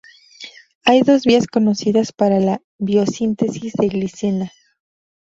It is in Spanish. Hay dos vías conocidas para la biosíntesis de glicina.